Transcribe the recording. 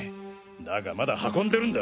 だがまだ運んでるんだ。